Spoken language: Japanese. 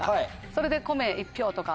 それで米１俵とか。